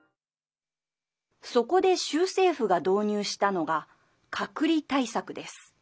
そこで州政府が導入したのが隔離対策です。